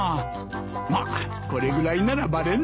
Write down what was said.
まあこれぐらいならバレんだろう。